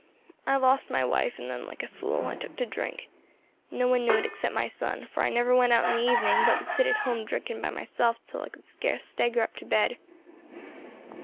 I lost my wife, and then, like a fool, I took to drink. No one knew it except my son, for I never went out in the evening, but would sit at home drinking by myself till I could scarce stagger up to bed.